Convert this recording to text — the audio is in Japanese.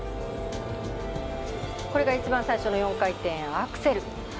これが一番最初の４回転アクセル。